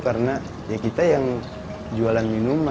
karena ya kita yang jualan minuman men